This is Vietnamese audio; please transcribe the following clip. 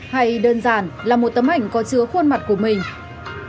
hay đơn giản là một tấm ảnh có chứa khuôn mặt của mình